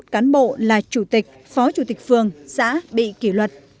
ba mươi một cán bộ là chủ tịch phó chủ tịch phường xã bị kỷ luật